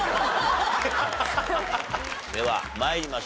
では参りましょう。